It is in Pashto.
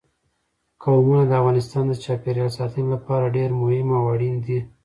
قومونه د افغانستان د چاپیریال ساتنې لپاره ډېر مهم او اړین دي.